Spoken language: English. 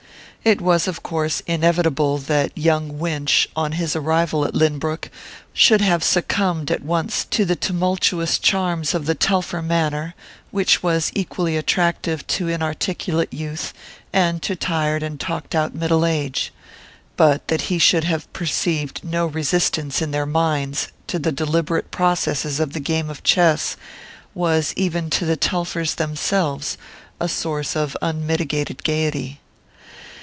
It was of course inevitable that young Winch, on his arrival at Lynbrook, should have succumbed at once to the tumultuous charms of the Telfer manner, which was equally attractive to inarticulate youth and to tired and talked out middle age; but that he should have perceived no resistance in their minds to the deliberative processes of the game of chess, was, even to the Telfers themselves, a source of unmitigated gaiety.